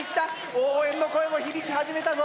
応援の声も響き始めたぞ。